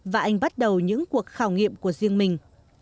và anh bắt đầu những cuộc khảo nghiệm của riêng mình